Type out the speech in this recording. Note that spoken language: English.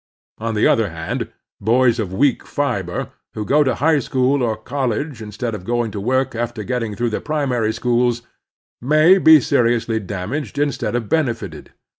On the other hand, boys of weak fiber, who go to high school or college instead of going to work after getting through the primary schools, may be seriously damaged instead of benefited.